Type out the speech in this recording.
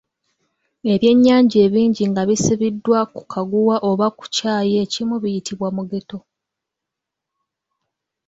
Ebyennyanja ebingi nga bisibiddwa ku kaguwa oba ku kyayi ekimu biyitibwa mugeto.